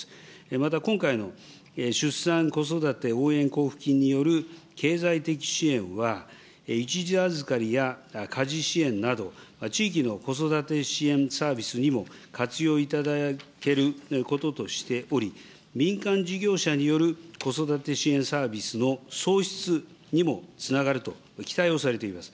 また、今回の出産子育て応援交付金による経済的支援は、一時預かりや家事支援など、地域の子育て支援サービスにも活用いただけることとしており、民間事業者による子育て支援サービスの創出にもつながると期待をされています。